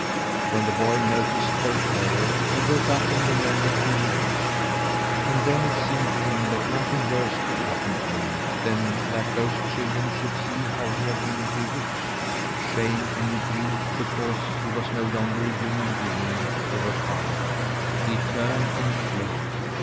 When the boy noticed their terror he woke up and remembered who he was. And then it seemed to him that nothing worse could happen to him than that those children should see how he had been bewitched. Shame and grief because he was no longer a human being overpowered him. He turned and fled.